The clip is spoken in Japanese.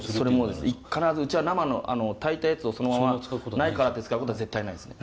必ずうちは生の炊いたやつをそのままないからって使うことは絶対にないです。